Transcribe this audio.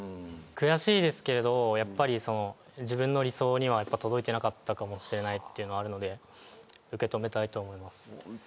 悔しいですけどやっぱり自分の理想には届いてなかったかもしれないっていうのはあるので受け止めたいと思います。